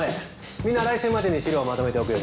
みんな来週までに資料をまとめておくように。